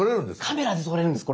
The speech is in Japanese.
カメラで撮れるんですこれ。